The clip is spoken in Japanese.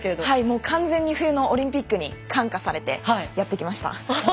はい、完全に冬のオリンピックに看過されてやってきました。